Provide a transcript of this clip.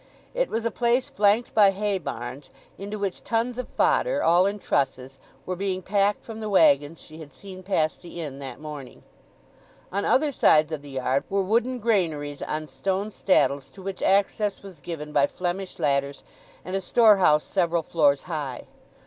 It was a place flanked by hay barns, into which tons of fodder, all in trusses, were being packed from the waggons she had seen pass the inn that morning. On other sides of the yard were wooden granaries on stone staddles, to which access was given by Flemish ladders, and a store house several floors high.